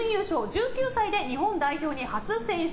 １９歳で日本代表に初選出。